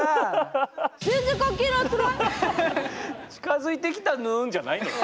「近づいてきたぬん」じゃないだろ。